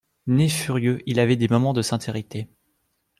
Né furieux, il avait des moments de sincérité.